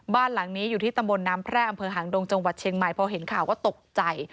บ้านหลังนี้อยู่ที่ตำบลน้ำแพร่อำเภอหางดงจังหวัดเชียงใหม่พอเห็นข่าวก็ตกใจ